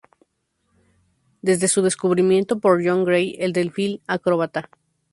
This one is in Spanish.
Desde su descubrimiento por John Gray en delfín acróbata.